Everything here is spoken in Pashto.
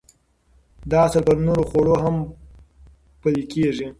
دا اصل پر نورو خوړو هم پلي کېږي.